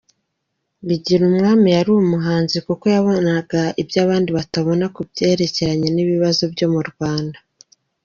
Bigirumwami yari umuhanuzi, kuko yabonaga iby’abandi batabona kubyerekeranye n’ibibazo byo mu Rwanda.